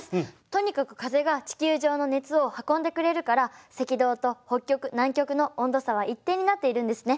とにかく風が地球上の熱を運んでくれるから赤道と北極・南極の温度差は一定になっているんですね。